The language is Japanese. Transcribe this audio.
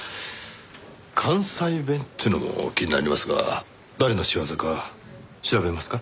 関西弁っていうのも気になりますが誰の仕業か調べますか？